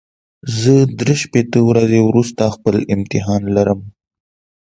زه درې شپېته ورځې وروسته خپل امتحان لرم.